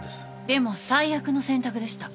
でも最悪の選択でした。